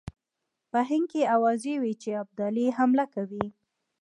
په هند کې آوازې وې چې ابدالي حمله کوي.